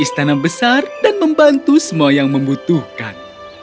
dia membuat istana besar dan membantu semua yang membutuhkan